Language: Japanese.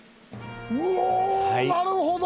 うおなるほど。